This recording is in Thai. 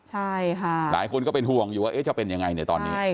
หลายคนก็เป็นห่วงอยู่ว่าจะเป็นยังไงเนี่ยตอนนี้